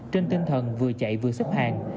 trên tinh thần vừa chạy vừa xếp hàng